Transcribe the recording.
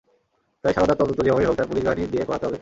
তাই সারদার তদন্ত যেভাবেই হোক তার পুলিশ বাহিনী দিয়ে করাতে হবে।